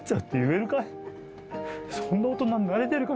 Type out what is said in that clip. そんな大人になれてるか？